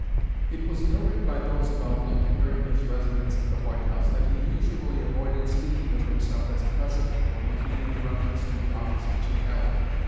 It was noted by those about Lincoln during his residence at the White House that he usually avoided speaking of himself as President or making any reference to the office which he held.